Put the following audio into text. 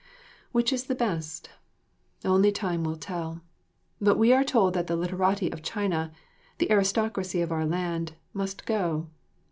Which is the best? Only time will tell. But we are told that the literati of China, the aristocracy of our land, must go.